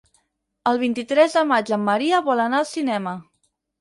El vint-i-tres de maig en Maria vol anar al cinema.